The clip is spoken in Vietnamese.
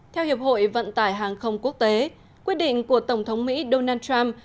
theo hiệp hội vận tải hàng không quốc tế quyết định của tổng thống mỹ donald trump